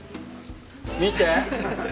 見て。